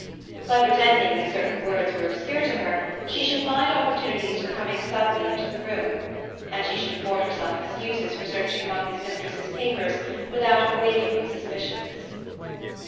By pretending that certain words were obscure to her, she should find opportunities for coming suddenly into the room, and she should afford herself excuses for searching among his mistress's papers without awakening suspicions.